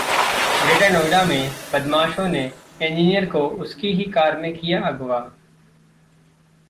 greater Noida में बदमाशों ने इंजीनियर को उसकी ही कार में किया अगवा